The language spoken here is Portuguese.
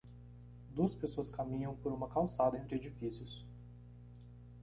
Duas pessoas caminham por uma calçada entre edifícios.